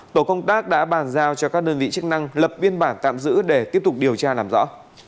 tổ công tác đã bàn giao cho các đơn vị chức năng lập biên bản tạm giữ để tiếp tục điều tra làm rõ